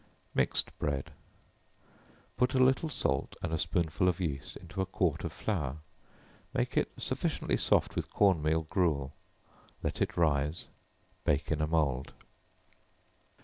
Mixed Bread. Put a little salt, and a spoonful of yeast, into a quart of flour; make it sufficiently soft with corn meal gruel; let it rise; bake in a mould.